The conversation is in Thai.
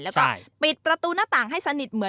แล้วก็ปิดประตูหน้าต่างให้สนิทเหมือน